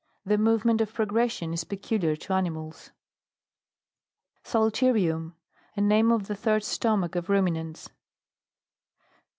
The movement of pro gression is peculiar to animals. PSALTERIUM. A name of the third stnnruch of ruminants.